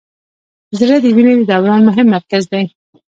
زړه د وینې د دوران مهم مرکز دی.